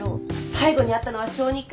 最後に会ったのは小２かあ。